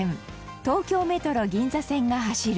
東京メトロ銀座線が走る